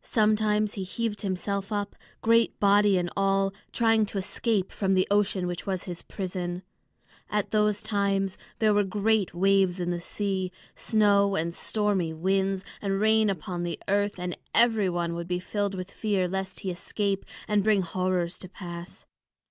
Sometimes he heaved himself up, great body and all, trying to escape from the ocean which was his prison. At those times there were great waves in the sea, snow and stormy winds and rain upon the earth, and every one would be filled with fear lest he escape and bring horrors to pass.